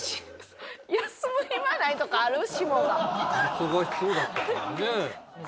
忙しそうだったからね。